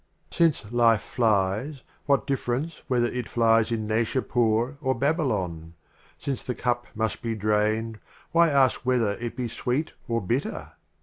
VIII. Since Life flies, what difference whether it flies in Naishapiir or Babylon ? Since the Cup must be drained, why ask whether it be Sweet or Bitter